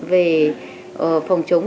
về phòng chống dịch